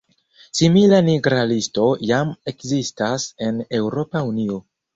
Simila "nigra listo" jam ekzistas en Eŭropa Unio.